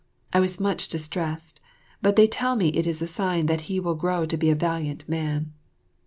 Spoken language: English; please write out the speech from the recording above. I was much distressed, but they tell me it is a sign that he will grow to be a valiant man.